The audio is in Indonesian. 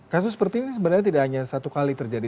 kasus seperti ini sebenarnya tidak hanya satu kali terjadi